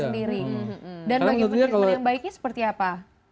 dan bagi teman teman yang baiknya seperti apa